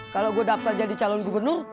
kalau gue dapat jadi calon gubernur